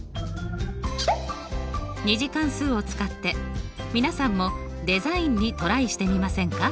２次関数を使って皆さんもデザインにトライしてみませんか？